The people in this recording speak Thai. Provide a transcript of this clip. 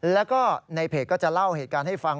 แล้วก็ในเพจก็จะเล่าเหตุการณ์ให้ฟัง